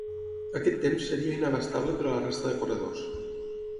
Aquest temps seria inabastable per a la resta de corredors.